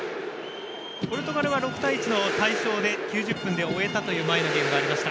ポルトガルは６対１の大勝で、９０分で終えたという前のゲームがありました。